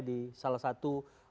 di salah satu